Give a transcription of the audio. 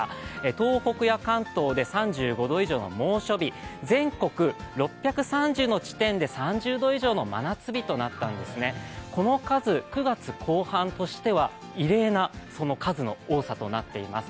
東北や関東で３５度以上の猛暑日全国６３０の地点で３０度以上の真夏日となったんですね、この数、９月後半としては異例な数の多さとなっています。